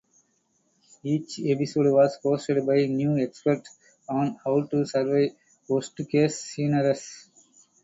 Each episode was hosted by new experts on how to survive worst-case scenarios.